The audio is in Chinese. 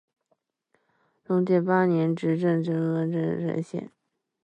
崇祯八年任直隶嘉定县知县。